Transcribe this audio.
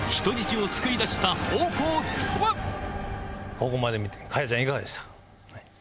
ここまで見て果耶ちゃんいかがでした？